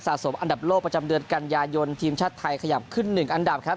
สมอันดับโลกประจำเดือนกันยายนทีมชาติไทยขยับขึ้น๑อันดับครับ